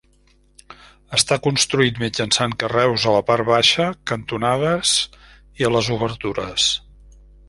Està construït mitjançant carreus a la part baixa, cantonades i a les obertures.